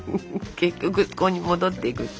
結局そこに戻っていく。